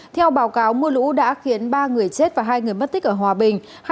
theo báo cáo mưa lũ đã khiến ba người chết và hai người mất tích ở hòa bình